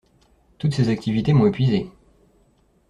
Toutes ces activités m'ont épuisé.